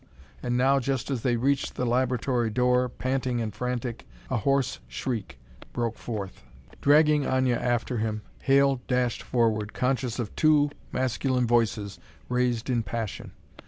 And now, just as they reached the laboratory door, panting and frantic, a hoarse shriek broke forth. Dragging Aña after him, Hale dashed forward, conscious of two masculine voices raised in passion.